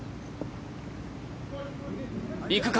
行くか？